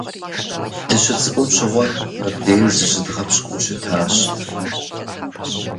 Дыщыцӏыкӏум щыгъуэ мыбдеж зыщыдгъэпщкӏуу щытащ.